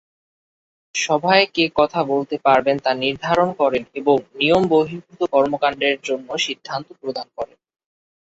সভায় কে কথা বলতে পারবেন তা তিনি নির্ধারণ করেন এবং নিয়ম-বহির্ভূত কর্মকাণ্ডের জন্য সিদ্ধান্ত প্রদান করেন।